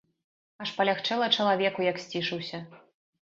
Аж палягчэла чалавеку, як сцішыўся.